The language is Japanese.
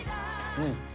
うん。